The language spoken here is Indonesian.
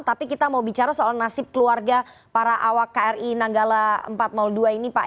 tapi kita mau bicara soal nasib keluarga para awak kri nanggala empat ratus dua ini pak